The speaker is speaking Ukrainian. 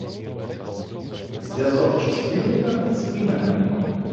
Зв'язок числівника з іменником